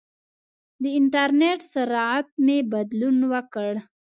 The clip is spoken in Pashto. د انټرنېټ سرعت مې بدلون وکړ.